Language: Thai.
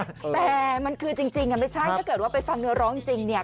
แต่มันคือจริงไม่ใช่ถ้าเกิดว่าไปฟังเนื้อร้องจริงเนี่ย